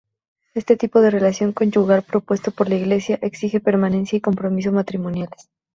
Ese tipo de relación conyugal propuesto por la Iglesia exige permanencia y compromiso matrimoniales.